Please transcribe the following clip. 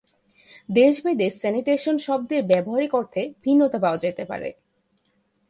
দেশ ভেদে স্যানিটেশন শব্দের ব্যবহারিক অর্থে ভিন্নতা পাওয়া যেতে পারে।